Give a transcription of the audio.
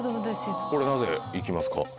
これなぜ行きますか？